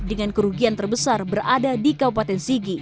serta perugian terbesar berada di kabupaten sigi